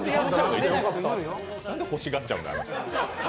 なんで欲しがっちゃうんだ。